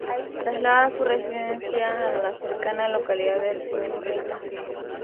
Traslada su residencia a la cercana localidad de Yurreta.